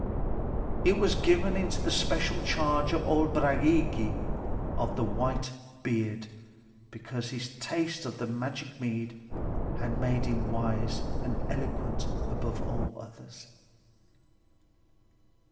It was given into the special charge of old Bragi of the white beard, because his taste of the magic mead had made him wise and eloquent above all others.